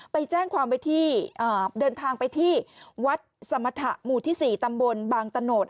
ไปแจ้งความไว้ที่เดินทางไปที่วัดสมรรถะหมู่ที่๔ตำบลบางตะโนธ